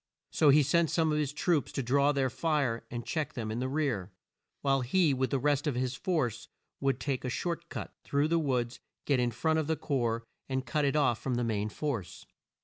So he sent some of his troops to draw their fire and check them in the rear, while he with the rest of his force would take a short cut, through the woods, get in front of the corps, and cut it off from the main force.